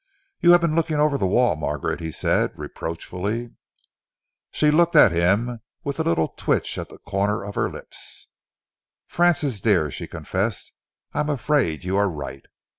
"You have been looking over the wall, Margaret," he said reproachfully. She looked at him with a little twitch at the corners of her lips. "Francis dear," she confessed, "I am afraid you are right.